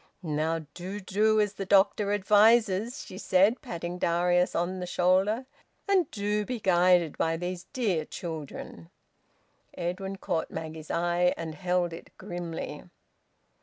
"Now do do as the doctor advises!" she said, patting Darius on the shoulder. "And do be guided by these dear children!" Edwin caught Maggie's eye, and held it grimly.